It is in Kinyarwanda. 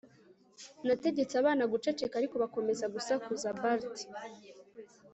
nategetse abana guceceka, ariko bakomeza gusakuza. (bart